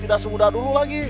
kita sudah muda dulu lagi